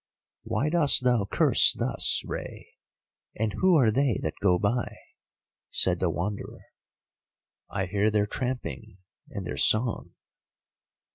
"Why dost thou curse thus, Rei, and who are they that go by?" said the Wanderer. "I hear their tramping and their song."